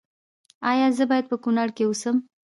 ایا زه باید په کنړ کې اوسم؟